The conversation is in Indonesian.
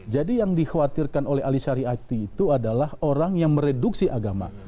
jadi yang dikhawatirkan oleh alisari ati itu adalah orang yang mereduksi agama